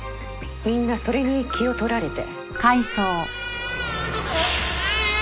みんなそれに気を取られて。